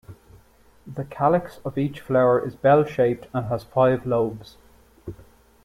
The calyx of each flower is bell-shaped and has five lobes.